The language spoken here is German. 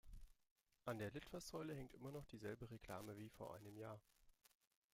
An der Litfaßsäule hängt noch immer dieselbe Reklame wie vor einem Jahr.